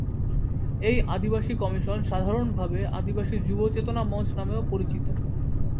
এই আদিবাসী কমিশন সাধারণভাবে আদিবাসী যুব চেতনা মঞ্চ নামেও পরিচিত।